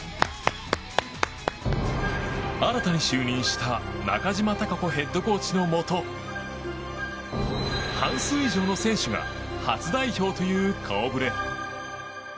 新たに就任した中島貴子ヘッドコーチのもと半数以上の選手が初代表という顔ぶれ。